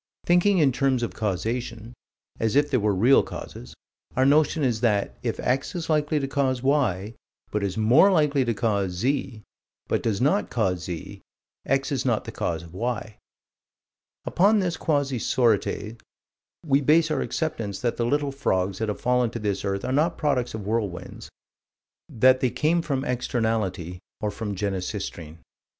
Thinking in terms of causation as if there were real causes our notion is that, if X is likely to cause Y, but is more likely to cause Z, but does not cause Z, X is not the cause of Y. Upon this quasi sorites, we base our acceptance that the little frogs that have fallen to this earth are not products of whirlwinds: that they came from externality, or from Genesistrine.